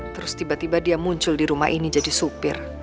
terus tiba tiba dia muncul di rumah ini jadi supir